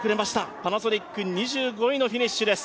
パナソニック、２５位のフィニッシュです。